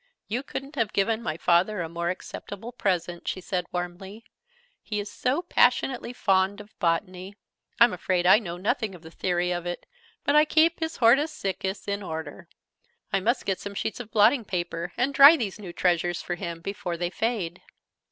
"You couldn't have given my father a more acceptable present!" she said, warmly. "He is so passionately fond of Botany. I'm afraid I know nothing of the theory of it, but I keep his Hortus Siccus in order. I must get some sheets of blotting paper, and dry these new treasures for him before they fade.